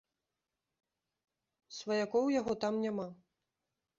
Сваякоў у яго там няма.